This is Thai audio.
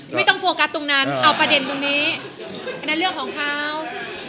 โรงพยาบาลบอกว่าเราได้รับบัตรเจ็บอะไรตรงไหนยังไงบ้าง